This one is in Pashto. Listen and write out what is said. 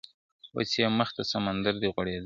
اوس یې مخ ته سمندر دی غوړېدلی `